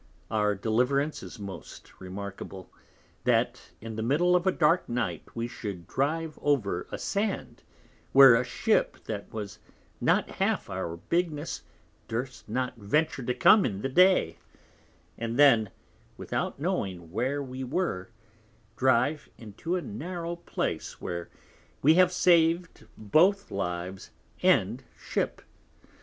Our Deliverance is most remarkable, that in the middle of a dark Night we should drive over a Sand where a Ship that was not half our Bigness durst not venture to come in the Day; and then, without knowing where we were, drive into a narrow place where we have saved both Lives and Ship.